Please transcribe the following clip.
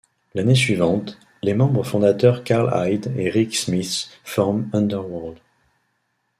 L'année suivante, les membres fondateurs Karl Hyde et Rick Smith forment Underworld.